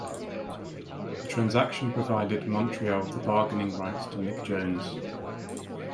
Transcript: The transaction provided Montreal the bargaining rights to Mick Jones.